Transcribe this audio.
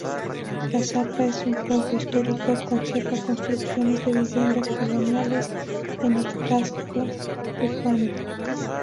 Caazapá es un pueblo histórico, conserva construcciones de viviendas coloniales en el casco urbano.